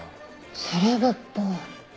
セレブっぽい。